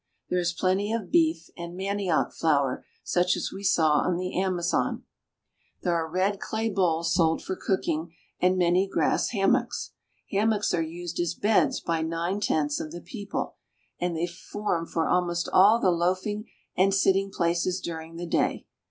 There is plenty of beef, and manioc flour such as we saw on the Amazon. Thfere are red clay bowls sold for cooking, and many grass hammocks. Hammocks are used as beds by nine tenths of the people, and they form for almost all the loaf ing and sitting places during the day.